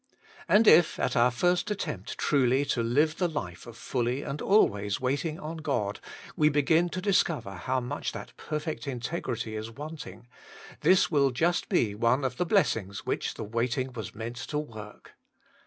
And if at our first attempt truly to live the life of fully and always waiting on God, we begin to discover how much that perfect integrity is wanting, this will just be one of the blessings which the waiting was meant to work.